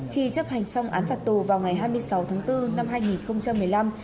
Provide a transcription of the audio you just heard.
khi chấp hành xong án phạt tù vào ngày hai mươi sáu tháng bốn năm hai nghìn một mươi năm